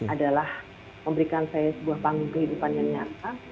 adalah memberikan saya sebuah panggung kehidupan yang nyata